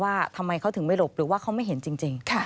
ว่าทำไมเขาถึงไม่หลบหรือว่าเขาไม่เห็นจริง